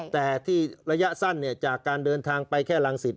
แต่ที่ระยะสั้นจากการเดินทางไปแค่รังสิต